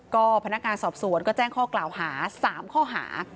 ก็พนักงานสอบสวนก็แจ้งข้อกล่าวหา๓ข้อหา